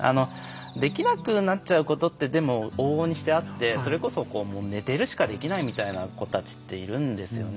できなくなっちゃうことってでも、往々にしてあってそれこそ寝てるしかできないみたいな子たちっているんですよね。